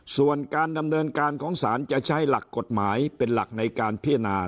ส่วนการดำเนินการของสารจะใช้หลักกฎหมายเป็นหลักในการพิจารณา